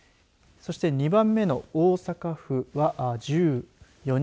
そして２番目の大阪府は１４人。